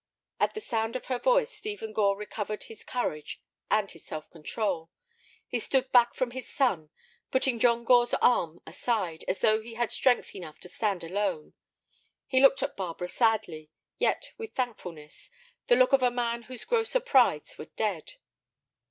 At the sound of her voice Stephen Gore recovered his courage and his self control. He stood back from his son, putting John Gore's arm aside, as though he had strength enough to stand alone. He looked at Barbara sadly, yet with thankfulness—the look of a man whose grosser prides were dead.